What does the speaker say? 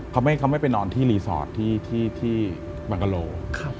เขาไม่ไปนอนที่รีสอร์ทที่บังกะโล